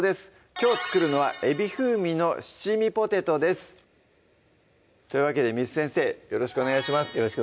きょう作るのは「海老風味の七味ポテト」ですというわけで簾先生よろしくお願いします